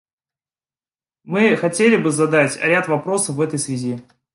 Мы хотели бы задать ряд вопросов в этой связи.